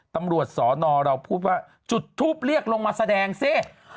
ตำรวจสอนอเราพูดว่าจุดทูปเรียกลงมาแสดงสิ